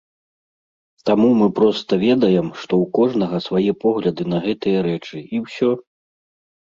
Таму мы проста ведаем, што ў кожнага свае погляды на гэтыя рэчы, і ўсё.